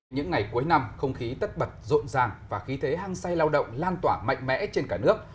những ngày cuối năm không khí tất bật rộn ràng và khí thế hăng say lao động lan tỏa mạnh mẽ trên cả nước